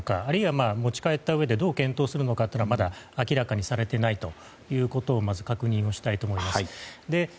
あるいは持ち帰ったうえでどう検討するかはまだ明らかにされていないということをまず確認したいと思います。